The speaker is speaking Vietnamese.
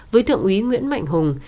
với thượng úy nguyễn mạnh hùng